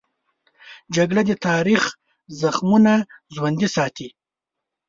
جګړه د تاریخ زخمونه ژوندي ساتي